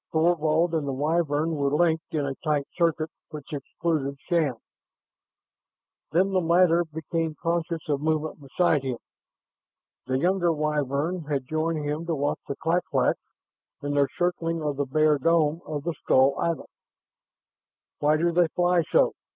Thorvald and the Wyvern were linked in a tight circuit which excluded Shann. Then the latter became conscious of movement beside him. The younger Wyvern had joined him to watch the clak claks in their circling of the bare dome of the skull island. "Why do they fly so?"